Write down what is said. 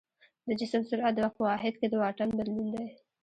د جسم سرعت د وخت په واحد کې د واټن بدلون دی.